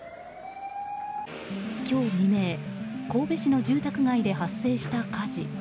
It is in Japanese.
今日未明、神戸市の住宅街で発生した火事。